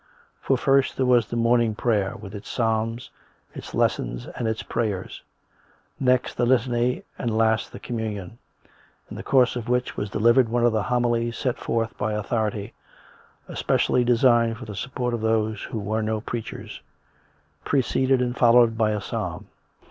For first there was the morning prayer, with its psalms, its lessons and its prayers'; next the Litany, and last the communion, in the course of which was delivered one of the homilies set forth by authority, especially designed for the support of those who were no preachers — pre ceded and followed by a psalm.